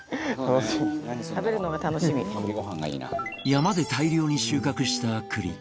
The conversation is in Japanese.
山で大量に収穫した栗。